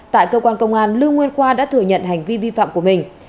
tại cơ quan công an lưu nguyên khoa đã thừa nhận hành vi vi phạm của mình